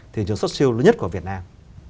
thị trường xuất siêu lớn nhất của việt nam